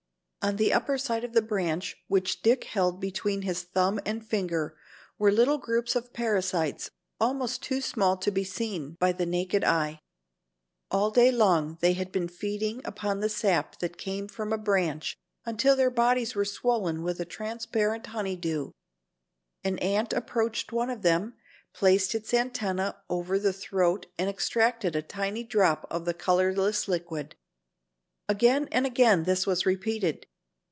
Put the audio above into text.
On the upper side of the branch which Dick held between his thumb and finger were little groups of parasites, almost too small to be seen by the naked eye. All day long they had been feeding upon the sap that came from a branch until their bodies were swollen with a transparent honey dew. An ant approached one of them, placed its antennae over the throat and extracted a tiny drop of the colorless liquid. Again and again this was repeated.